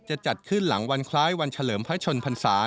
จะจัดขึ้นหลังวันคล้ายวันเฉลิมพระชนพรรษา